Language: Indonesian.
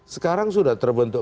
sekarang sudah terbentuk